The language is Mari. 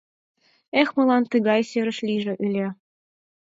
Эх, мылам тыгай серыш лийже ыле.